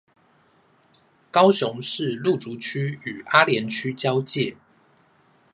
高雄市路竹區與阿蓮區交界